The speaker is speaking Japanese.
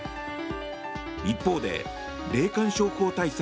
一方で霊感商法対策